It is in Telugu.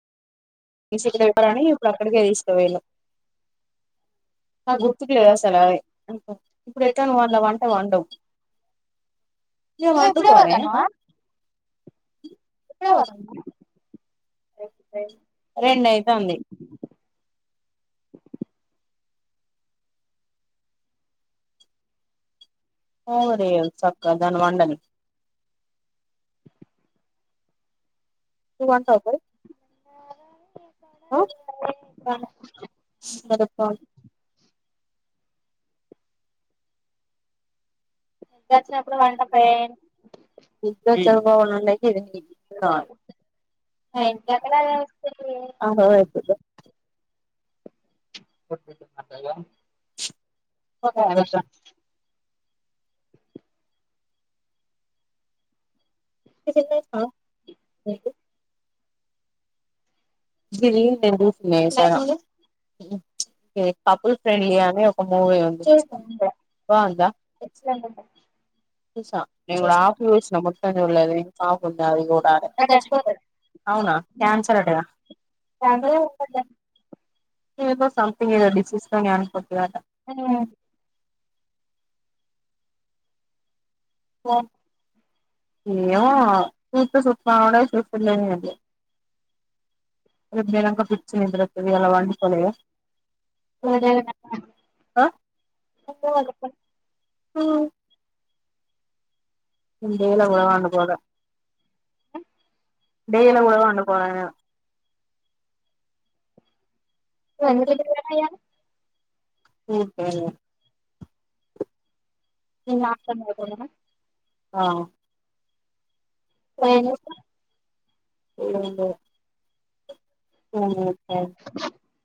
డిసిప్లిన్ ఇప్పుడు అక్కడికే తీసుకపోల్లు నాకు గుర్తుకు లేదు అసలు అదే ఇప్పుడు ఎక్కాను వాళ్ళ వంట వండవు ఇగ వండుకోర ఇగ ఇప్పుడే పోతనవ రేపు అవు మరి ఎంచక్క మనము వండాలి [unintelligible] నువ్వు వాండవ మరి అ నచ్చినప్పుడు వంట ఫ్రెండ్ [unintelligible] ఒకనషా [unintelligible] గిల్లినా ఏం చేస్తున్నాయా [unintelligible] ఇ కపుల్ ఫ్రెండ్లీ అనే ఒక మూవీ ఉంది బాగుందా చూసా న కూడా ఆఫ చూసిన ముట్టం చూలేదుఫ ఉంది అది కూడా అదచ్చపో అవునా కన్సర్ అటగా ఏదో సంథింగ్ద డిసీస్ త అనుకుతుంది పో ఏమో చూట్ చుట్ట కూడాడ చూస్తులేని అది రెబక ్రవి ఎలా వాంపోలే [unintelligible] అక్టోబర్ ఊ ఇందేలో ఎ వంట పోద డేల కూడాడ అన్న పోరాను [unintelligible] నువ్వు ఎందుకు ఇట్లా తయారయ్యావు ఓక నను ఆసకునా ఆ స ఇ [unintelligible] అ [unintelligible]